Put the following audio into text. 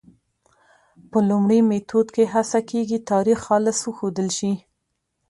په لومړي میتود کې هڅه کېږي تاریخ خالص وښودل شي.